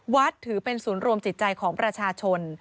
ถือเป็นศูนย์รวมจิตใจของประชาชน